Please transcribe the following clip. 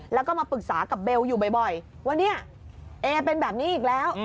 แล้วก็มาปรึกษากับเบลอยู่บ่อยว่าเนี่ยเอเป็นแบบนี้อีกแล้ว